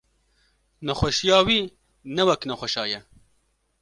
nexweşiya wî ne wek nexweşa ye.